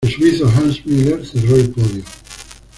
El suizo Hans Müller cerró el podio.